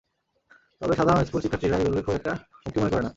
তবে সাধারণ স্কুল শিক্ষার্থীরা এগুলোকে খুব একটা হুমকি মনে করে না।